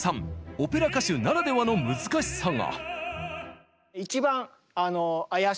オペラ歌手ならではの難しさが！